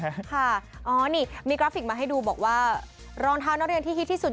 ค่ะอ๋อนี่มีกราฟิกมาให้ดูบอกว่ารองเท้านักเรียนที่ฮิตที่สุด